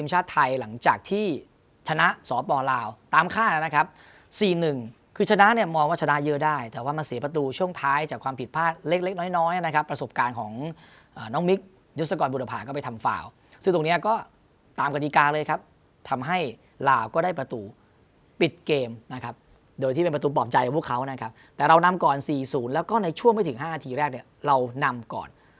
หลังจากที่ชนะสอบปลาวตามค่านะครับซีนหนึ่งคือชนะเนี้ยมองว่าชนะเยอะได้แต่ว่ามันเสียประตูช่วงท้ายจากความผิดพลาดเล็กเล็กน้อยน้อยนะครับประสบการณ์ของอ่าน้องมิกยุศกรบุรุภาคก็ไปทำฝ่าวซึ่งตรงเนี้ยก็ตามกฎิกาเลยครับทำให้ลาวก็ได้ประตูปิดเกมนะครับโดยที่เป็นประตูปลอบใจของพวก